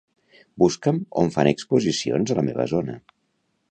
Busca'm on fan exposicions a la meva zona.